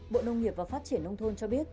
bộ nông nghiệp và phát triển nông thôn cho biết